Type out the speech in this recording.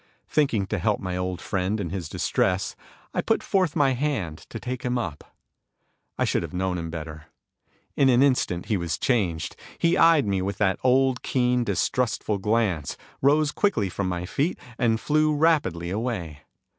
Thinking to help my old friend in his distress, I put forth my hand to take him up. I should have known him better. In an instant he was changed. He eyed me with that old keen, distrustful glance, rose quickly from my feet, and flew rapidly away.